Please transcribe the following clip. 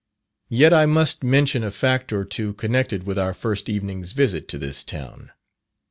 Yet I must mention a fact or two connected with our first evening's visit to this town.